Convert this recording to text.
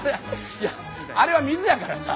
いやあれは水やからさ。